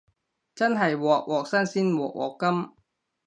真係鑊鑊新鮮鑊鑊甘